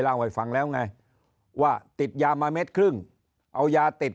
เล่าให้ฟังแล้วไงว่าติดยามาเม็ดครึ่งเอายาติด